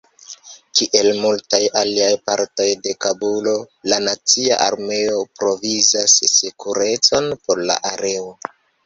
Kiel multaj aliaj partoj de Kabulo, la nacia armeo provizas sekurecon por la areo.